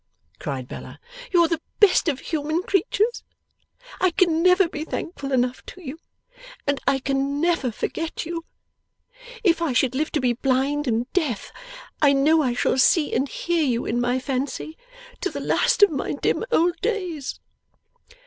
cried Bella. 'You're the best of human creatures. I can never be thankful enough to you, and I can never forget you. If I should live to be blind and deaf I know I shall see and hear you, in my fancy, to the last of my dim old days!